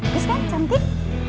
bagus kan cantik